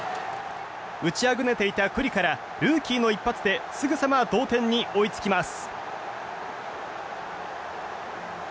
打ちあぐねていた九里からルーキーの一発ですぐさま同点に追いつきます。